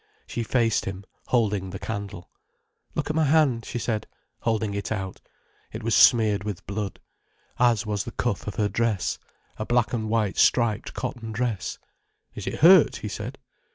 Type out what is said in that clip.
She faced him, holding the candle. "Look at my hand," she said, holding it out. It was smeared with blood, as was the cuff of her dress—a black and white striped cotton dress. "Is it hurt?" he said.